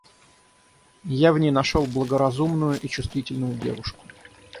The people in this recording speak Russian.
Я в ней нашел благоразумную и чувствительную девушку.